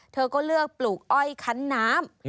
เธอก็เลือกปลูกอ้อยคันน้ำ